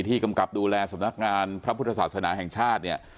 กำกับดูแลสำนักงานพระพุทธศาสนาแห่งชาติเนี่ย